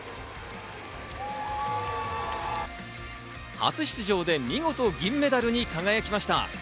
初出場で見事、銀メダルに輝きました。